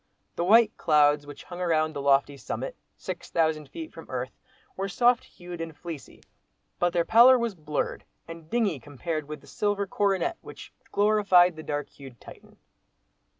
The white clouds which hung round the lofty summit—six thousand feet from earth, were soft hued and fleecy; but their pallor was blurred and dingy compared with the silver coronet which glorified the dark hued Titan.